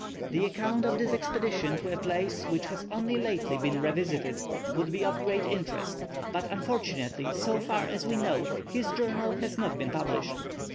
The account of this expedition to a place which has only lately been revisited, would be of great interest; but unfortunately, so far as we know, his journal has not been published.